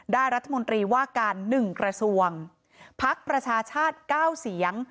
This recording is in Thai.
รัฐมนตรีว่าการ๑กระทรวงพักประชาชาติ๙เสียง